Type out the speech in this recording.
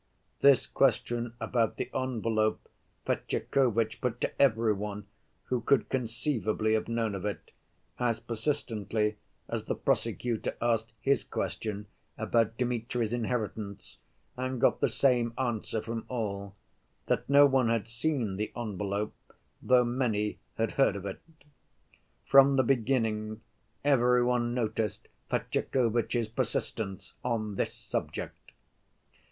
This question about the envelope Fetyukovitch put to every one who could conceivably have known of it, as persistently as the prosecutor asked his question about Dmitri's inheritance, and got the same answer from all, that no one had seen the envelope, though many had heard of it. From the beginning every one noticed Fetyukovitch's persistence on this subject.